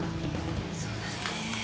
そうだね。